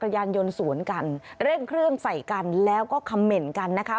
ยานยนต์สวนกันเร่งเครื่องใส่กันแล้วก็คำเหม็นกันนะคะ